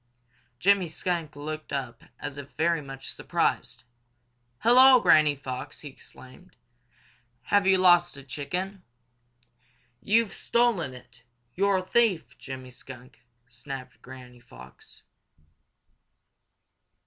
Jimmy Skunk looked up as if very much surprised. "Hello, Granny Fox!" he exclaimed. "Have you lost a chicken?" "You've stolen it! You're a thief, Jimmy Skunk!" snapped Granny Fox.